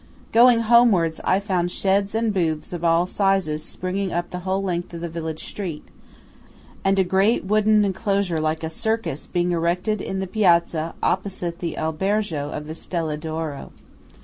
Going homewards, I found sheds and booths of all sizes springing up the whole length of the village street, and a great wooden enclosure like a circus being erected in the piazza opposite the albergo of the Stella d'Oro.